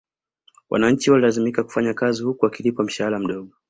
Wananchi walilazimika kufanya kazi huku wakilipwa mshahara mdogo